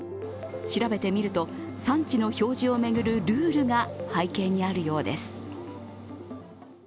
調べてみると、産地の表示を巡るルールが背景にあるようです。